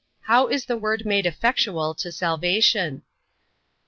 How is the word made effectual to salvation?